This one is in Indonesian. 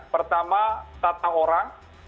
pertama tata orang